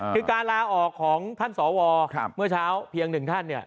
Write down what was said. คือการลาออกของท่านสวเมื่อเช้าเพียงหนึ่งท่านเนี่ย